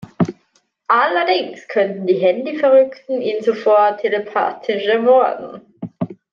Allerdings können die Handy-Verrückten ihn zuvor telepathisch ermorden.